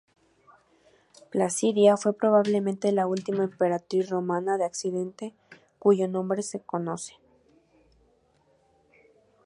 Placidia fue probablemente la última emperatriz romana de Occidente cuyo nombre se conoce.